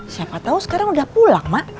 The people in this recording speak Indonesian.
siapa tahu sekarang udah pulang mak